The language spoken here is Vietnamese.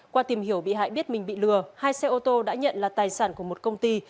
qua tìm hiểu bị hại biết mình bị lừa hai xe ô tô đã nhận là tài sản của một công ty